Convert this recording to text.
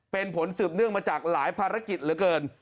เป็นผลสืบเนื่องมาจากหลายภารกิจเหลือเกิน